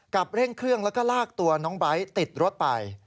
กลับเร่งเครื่องและลากตัวน้องไบร์สติดรถไป